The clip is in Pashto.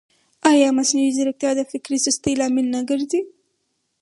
ایا مصنوعي ځیرکتیا د فکري سستۍ لامل نه ګرځي؟